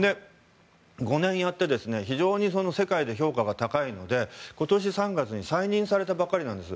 ５年やって非常に世界で評価が高いので今年３月に再任されたばかりなんです。